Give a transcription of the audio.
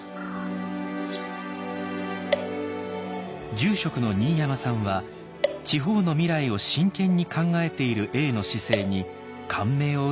住職の新山さんは地方の未来を真剣に考えている永の姿勢に感銘を受けたと言います。